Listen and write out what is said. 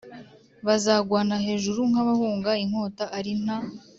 Bazagwana hejuru nk abahunga inkota ari nta